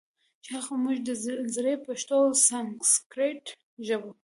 چې هغه موږ د زړې پښتو او سانسکریت ژبو